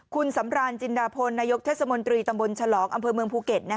คุณสำรานจินดาพลนายกเทศมนตรีตำบลฉลองอำเภอเมืองภูเก็ต